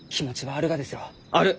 ある！